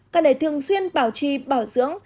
cần để thường xuyên bảo trì bảo dưỡng